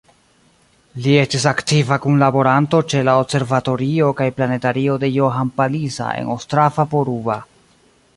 Li estis aktiva kunlaboranto ĉe la Observatorio kaj planetario de Johann Palisa en Ostrava-Poruba.